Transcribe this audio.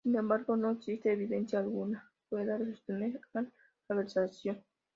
Sin embargo no existe evidencia alguna que pueda sostener tal aseveración.